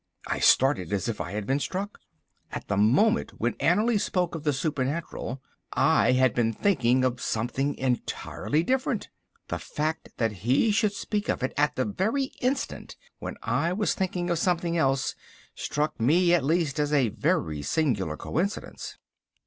I started as if I had been struck. At the moment when Annerly spoke of the supernatural I had been thinking of something entirely different. The fact that he should speak of it at the very instant when I was thinking of something else, struck me as at least a very singular coincidence.